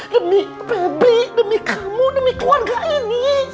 demi bebek demi kamu demi keluarga ini